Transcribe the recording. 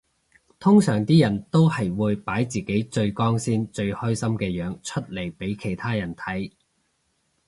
通常啲人都係會擺自己最光鮮最開心嘅樣出嚟俾其他人睇